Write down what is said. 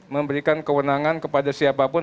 memberikan kewenangan kepada siapapun